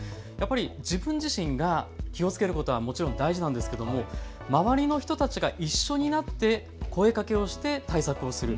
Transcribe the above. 自分自身が気をつけることはもちろん大事なんですけれども周りの人たちが一緒になって声かけをして対策をする。